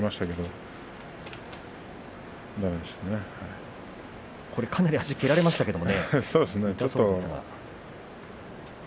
最初は、かなり足を蹴られましたけれどもね。